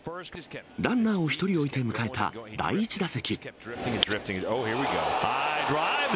ランナーを１人置いて迎えた第１打席。